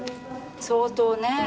相当ね。